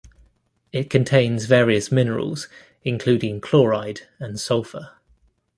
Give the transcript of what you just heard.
It contains various minerals including chloride and sulphur.